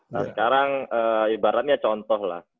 nah sekarang ibaratnya contoh lah